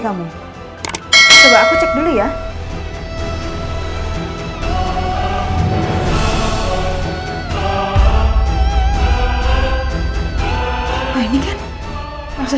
seharusnya mereka udah hapus postingan itu